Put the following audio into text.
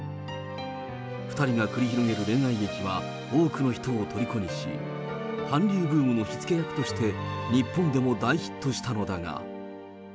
２人が繰り広げる恋愛劇は、多くの人をとりこにし、韓流ブームの火付け役として、日本でも大ヒットしたのだが。